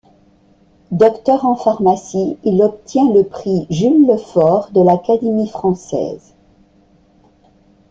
Docteur en pharmacie, il obtient le prix Jules-Lefort de l'Académie française.